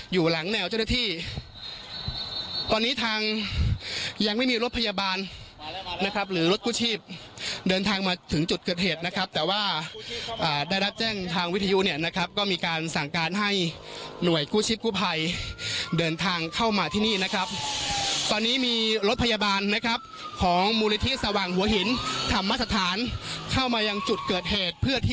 อยู่หลังแนวเจ้าหน้าที่ตอนนี้ทางยังไม่มีรถพยาบาลนะครับหรือรถกู้ชีพเดินทางมาถึงจุดเกิดเหตุนะครับแต่ว่าได้รับแจ้งทางวิทยุเนี่ยนะครับก็มีการสั่งการให้หน่วยกู้ชีพกู้ภัยเดินทางเข้ามาที่นี่นะครับตอนนี้มีรถพยาบาลนะครับของมูลนิธิสว่างหัวหินธรรมสถานเข้ามายังจุดเกิดเหตุเพื่อที่